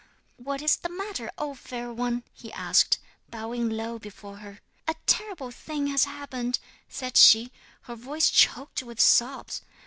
'"What is the matter, O Fair One?" he asked, bowing low before her. '"A terrible thing has happened," said she, her voice choked with sobs.